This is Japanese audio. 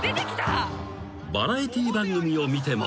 ［バラエティー番組を見ても］